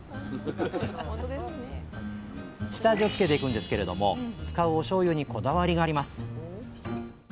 下味をつけていくんですけれども使うおしょうゆにこだわりがあります。